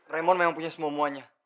raymond memang punya semua semuanya